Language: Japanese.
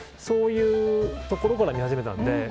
そういうところから見始めたので。